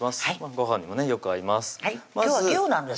ごはんにもねよく合います